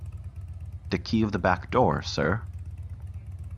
The key of the back door, sir?